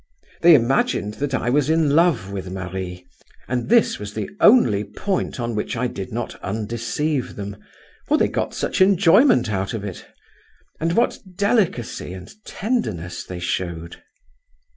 They imagined that I was in love with Marie, and this was the only point on which I did not undeceive them, for they got such enjoyment out of it. And what delicacy and tenderness they showed!